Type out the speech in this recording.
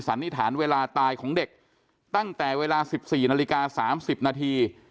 สันนิษฐานเวลาตายของเด็กตั้งแต่เวลาสิบสี่นาฬิกาสามสิบนาที